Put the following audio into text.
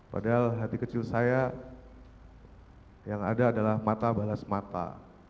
padahal hati kecil saya yang ada adalah mata balas mata